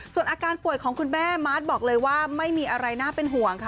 ส่วนอาการป่วยของคุณแม่มาร์ทบอกเลยว่าไม่มีอะไรน่าเป็นห่วงค่ะ